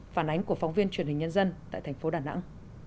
phản ánh của phóng viên truyền hình nhân dân tại thành phố đà nẵng